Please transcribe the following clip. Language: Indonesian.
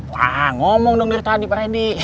wah ngomong dong dari tadi pak rendy